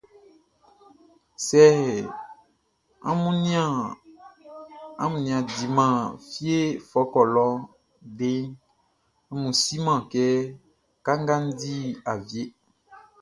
Sɛ amun nin a diman fie fɔkɔ lɔ deʼn, amun su siman kɛ kanga di awieʼn.